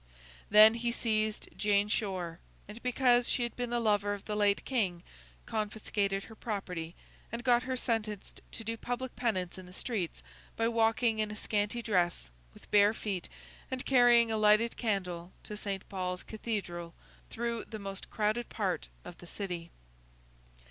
Then, he seized Jane Shore, and, because she had been the lover of the late King, confiscated her property, and got her sentenced to do public penance in the streets by walking in a scanty dress, with bare feet, and carrying a lighted candle, to St. Paul's Cathedral, through the most crowded part of the City.